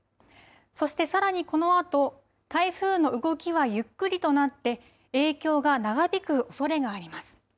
そして、さらにこのあと台風の動きはゆっくりとなって影響が長引くおそれがあります。